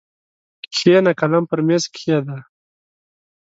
کښېنه قلم پر مېز کښېږده!